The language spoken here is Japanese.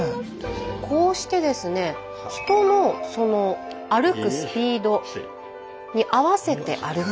こうしてですね人のその歩くスピードに合わせて歩く。